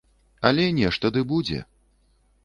Але нешта ды будзе.